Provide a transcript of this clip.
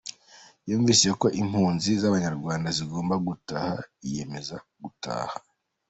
Yumvise ko impunzi z’Abanyarwanda zigomba gutaha, yiyemeza gutaha.